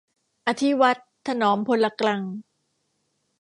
อธิวัตร ถนอมพลกรัง